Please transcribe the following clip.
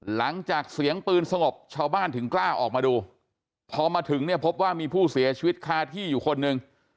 หลังจากเสียงปืนสงบชาวบ้านถึงกล้าออกมาดูพอมาถึงเนี่ยพบว่ามีผู้เสียชีวิตคาที่อยู่คนหนึ่ง